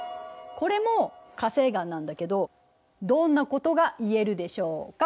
これも火成岩なんだけどどんなことが言えるでしょうか？